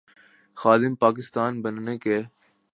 خادم پاکستان بننے کے۔